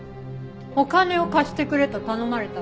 お金を貸してくれと頼まれたわ。